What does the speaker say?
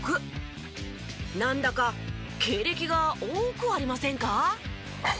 なんだか経歴が多くありませんか？